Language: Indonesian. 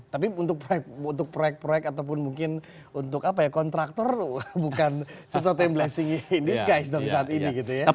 tapi untuk proyek proyek ataupun mungkin untuk apa ya kontraktor bukan sesuatu yang blessing disguise dong saat ini gitu ya